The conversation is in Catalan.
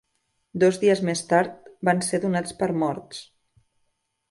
Dos dies més tard van ser donats per morts.